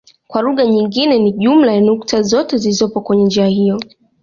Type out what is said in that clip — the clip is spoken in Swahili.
Kwa lugha nyingine ni jumla ya nukta zote zilizopo kwenye njia hiyo.